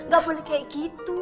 gak boleh kayak gitu